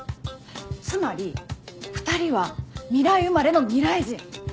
つまり２人は未来生まれの未来人。